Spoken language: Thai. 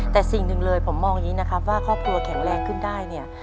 แต่สิ่งหนึ่งเลยผมมองอย่างนี้นะครับว่าครอบครัวแข็งแรงขึ้นได้เนี่ย